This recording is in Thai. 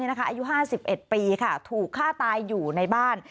อายุ๕๑ปีถูกฆ่าตายอยู่ในบ้าน